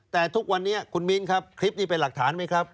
แต่ทุกวันนี้คุณมิ้นครับคลิปนี้เป็นหลักฐานไหมครับ